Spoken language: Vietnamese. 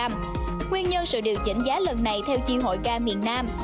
nguyên nhân sự điều chỉnh giá lần này theo chi hội ga miền nam